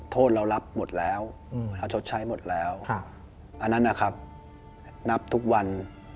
โทษเรารับหมดแล้วเราชดใช้หมดแล้วอันนั้นนะครับนับทุกวัน